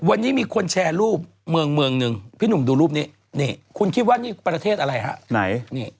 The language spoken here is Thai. วันนี้มีคนแชร์รูปเมืองเมืองหนึ่งพี่หนุ่มดูรูปนี้นี่คุณคิดว่านี่ประเทศอะไรฮะไหน